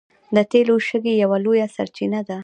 د تیلو شګې یوه لویه سرچینه ده.